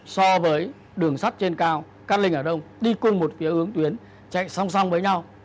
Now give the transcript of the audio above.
so với đường sắt trên cao cát linh ở đâu đi cùng một phía ướng tuyến chạy song song với nhau